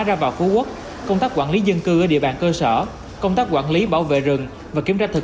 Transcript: ra vào phú quốc công tác quản lý dân cư ở địa bàn cơ sở công tác quản lý bảo vệ rừng và kiểm tra thực